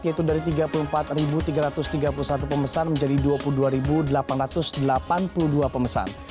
yaitu dari tiga puluh empat tiga ratus tiga puluh satu pemesan menjadi dua puluh dua delapan ratus delapan puluh dua pemesan